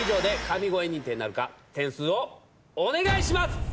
点数をお願いします！